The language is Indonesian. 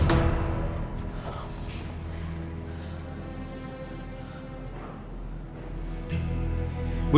apa yang ada